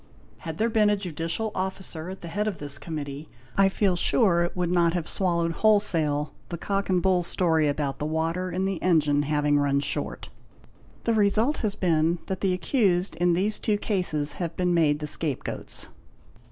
Had there been a Judicial Officer at the head of this Committee, I feel sure it would not have swallowed wholesale the cock and bull story ... about the water in the engine having run short. The result has been that ... the accused in these two cases have been made the scape goats.